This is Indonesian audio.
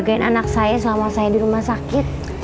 gain anak saya selama saya di rumah sakit